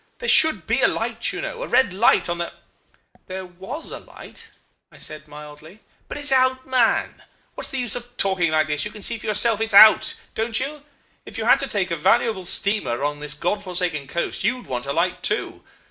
There should be a light, you know. A red light on the ' "'There was a light,' I said, mildly. "'But it's out, man! What's the use of talking like this? You can see for yourself it's out don't you? If you had to take a valuable steamer along this God forsaken coast you would want a light too.